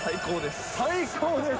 最高です。